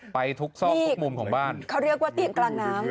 ไปทุกซอกทุกมุมของบ้านเขาเรียกว่าเตียงกลางน้ำ